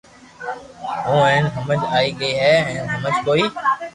ھو ھين ھمج آئي گئي ھي ھين ھمج ڪوئي